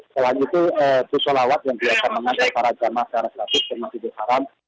selain itu di solawat yang biasa mengangkat para jamaah ke masjid al arab